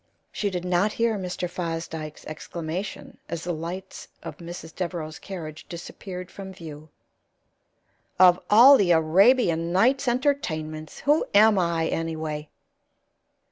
She did not hear Mr. Fosdyke's exclamation as the lights of Mrs. Devereaux's carriage disappeared from view: "Of all the Arabian Nights' entertainments! Who am I, anyway?"